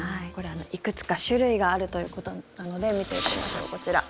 いくつか種類があるということなので見ていきましょう。